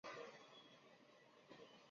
维涅厄勒人口变化图示